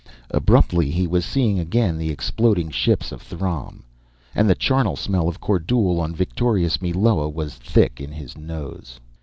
Abruptly, he was seeing again the exploding ships of Throm, and the charnel smell of Kordule on victorious Meloa was thick in his nose.